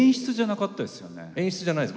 演出じゃないです。